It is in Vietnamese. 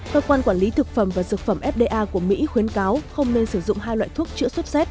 cơ quan quản lý thực phẩm và dược phẩm fda của mỹ khuyến cáo không nên sử dụng hai loại thuốc chữa sốt xét